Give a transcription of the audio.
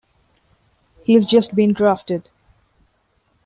He's just been drafted.